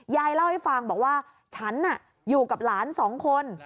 ยายเล่าให้ฟังบอกว่าฉันอยู่กับหลานสองคน